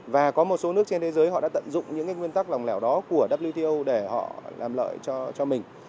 và có một số nước trên thế giới họ đã tận dụng những nguyên tắc lòng lẻo đó của wto để họ làm lợi cho mình